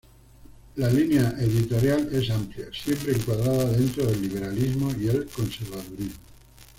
La línea editorial es amplia, siempre encuadrada dentro del liberalismo y el conservadurismo.